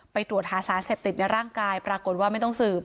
ตรวจหาสารเสพติดในร่างกายปรากฏว่าไม่ต้องสืบ